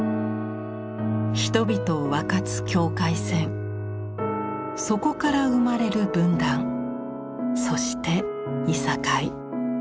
人々を分かつ境界線そこから生まれる分断そしていさかい。